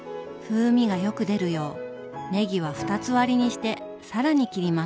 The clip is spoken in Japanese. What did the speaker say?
風味がよく出るようねぎは二つ割りにして更に切ります。